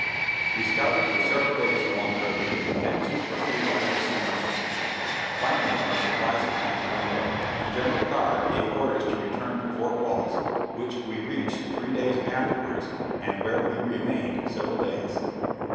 We scouted for several days along the river, and had two or three lively skirmishes. Finally our supplies began to run low, and General Carr gave orders to return to Fort Wallace, which we reached three days afterwards, and where we remained several days.